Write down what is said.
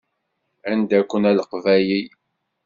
Anda-ken a Leqbayel?